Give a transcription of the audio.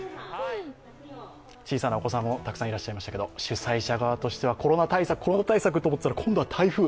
小さなお子さんもたくさんいらっしゃいましたけど主催者側としてはコロナ対策コロナ対策と思っていたら今度は台風。